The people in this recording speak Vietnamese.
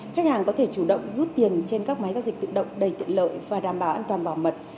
khách hàng có thể chủ động rút tiền trên các máy giao dịch tự động đầy tiện lợi và đảm bảo an toàn bảo mật